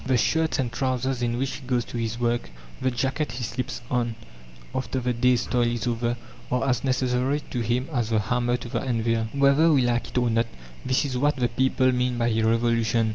The shirt and trousers in which he goes to his work, the jacket he slips on after the day's toil is over, are as necessary to him as the hammer to the anvil. Whether we like it or not, this is what the people mean by a revolution.